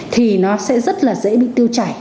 thì nó sẽ rất là dễ bị tiêu chảy